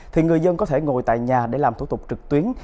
thì người dân có thể ngồi tại nhà để làm thủ tục trực tuyến